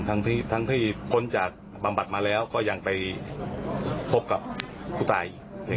ทั้งที่พ้นจากบำบัดมาแล้วก็ยังไปพบกับผู้ตายอีก